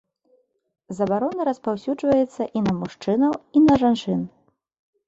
Забарона распаўсюджваецца і на мужчынаў, і на жанчын.